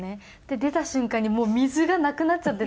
出た瞬間にもう水がなくなっちゃってて。